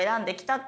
って